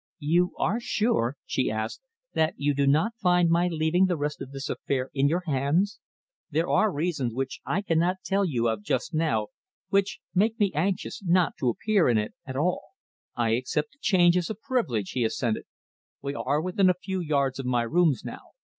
"You are sure," she asked, "that you do not mind my leaving the rest of this affair in your hands? There are reasons, which I cannot tell you of just now, which make me anxious not to appear in it at all." "I accept the charge as a privilege," he assented. "We are within a few yards of my rooms now.